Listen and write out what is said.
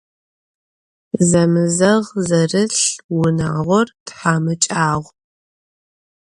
Zemızeğ zerılh vunağor thamıç'ağu.